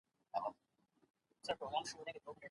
زه به تلای سوم .